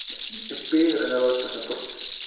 Expide y renueva pasaportes.